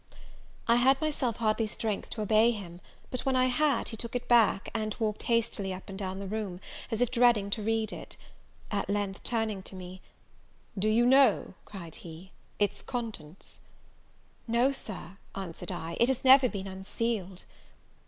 I had myself hardly strength to obey him: but when I had, he took it back, and walked hastily up and down the room, as if dreading to read it. At length, turning to me, "Do you know," cried he, "its contents?" "No, Sir," answered I, "it has never been unsealed."